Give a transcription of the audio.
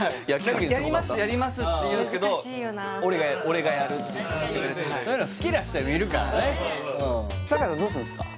「やりますやります」って言うんすけど「俺がやる」ってそういうの好きな人はいるからね酒井さんどうすんすか？